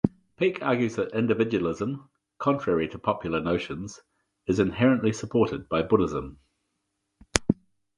Peek argues that individualism, contrary to popular notions, is inherently supported by Buddhism.